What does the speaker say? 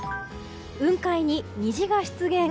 雲海に虹が出現。